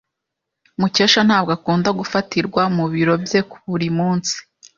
Mukesha ntabwo akunda gufatirwa mu biro bye buri munsi.